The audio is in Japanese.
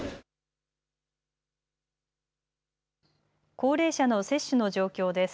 高齢者の接種の状況です。